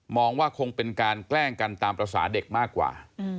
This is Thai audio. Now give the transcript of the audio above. ว่าคงเป็นการแกล้งกันตามภาษาเด็กมากกว่า